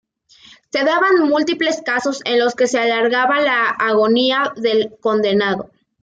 Se daban múltiples casos en los que se alargaba la agonía del condenado.